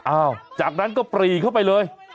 อ้าวจากนั้นก็ปรีเข้าไปเลย